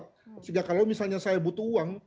sehingga kalau misalnya saya butuh uang